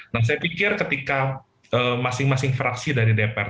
nah saya pikir ketika masing masing fraksi dari dpr